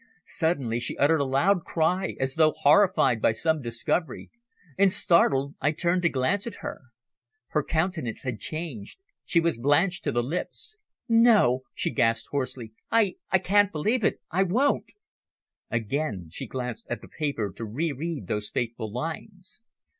Suddenly she uttered a loud cry as though horrified by some discovery, and, startled, I turned to glance at her. Her countenance had changed; she was blanched to the lips. "No!" she gasped hoarsely. "I I can't believe it I won't!" Again she glanced at the paper to re read those fateful lines.